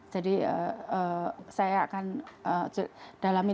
jadi saya akan dalamin